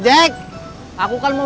nanti aku ntar nungguin